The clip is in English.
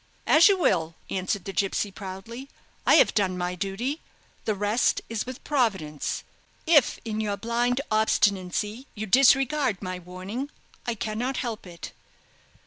"As you will," answered the gipsy, proudly. "I have done my duty. The rest is with Providence. If in your blind obstinacy you disregard my warning, I cannot help it.